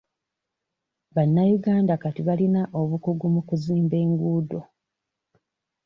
Bannayuganda kati balina obukugu mu kuzimba enguudo.